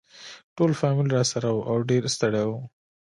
ټول فامیل راسره وو او ډېر ستړي وو.